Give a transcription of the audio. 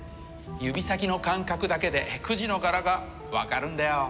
指先の感覚だけでくじの柄がわかるんだよ。